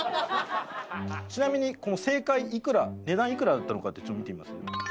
ちなみに正解いくら値段いくらだったのかってちょっと見てみます？